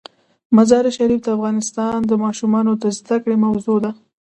مزارشریف د افغان ماشومانو د زده کړې موضوع ده.